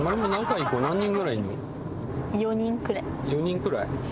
４人くらい？